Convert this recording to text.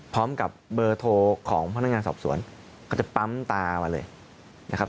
พร้อมกับเบอร์โทรของพนักงานสอบสวนก็จะปั๊มตามาเลยนะครับ